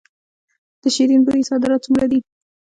د شیرین بویې صادرات څومره دي؟